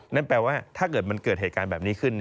นั่นแปลว่าถ้าเกิดมันเกิดเหตุการณ์แบบนี้ขึ้น